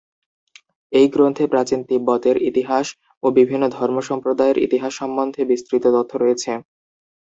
এই গ্রন্থে প্রাচীন তিব্বতের ইতিহাস ও বিভিন্ন ধর্মসম্প্রদায়ের ইতিহাস সম্বন্ধে বিস্তৃত তথ্য রয়েছে।